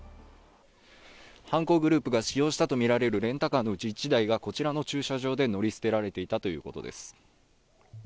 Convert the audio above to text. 犯行グループが使用したとみられるレンタカーのうち１台がこちらの駐車場で乗り捨てられていたということです。